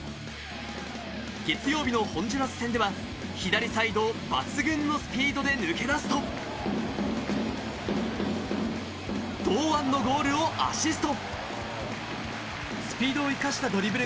月曜日のホンジュラス戦では左サイドを抜群のスピードで抜け出すと、堂安のゴールをアシスト。